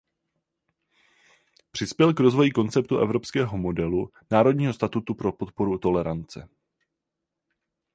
Přispěl k rozvoji "konceptu evropského modelu Národního statutu pro podporu tolerance".